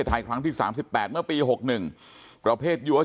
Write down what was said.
คุณยายบอกว่ารู้สึกเหมือนใครมายืนอยู่ข้างหลัง